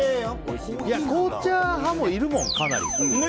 紅茶派もいるもん、かなり。